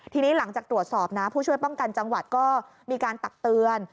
ทีนี้หลังจากตรวจสอบนะผู้ช่วยป้องกันจังหวัดก็มีการตักเตือน